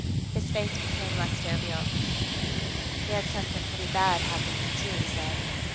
His face became less jovial. "We had something pretty bad happen here, too," he said.